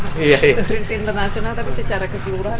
turis internasional tapi secara keseluruhan